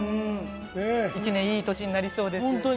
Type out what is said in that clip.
１年いい年になりそうです。